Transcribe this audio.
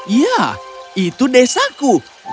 iya itu desaku